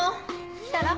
来たら？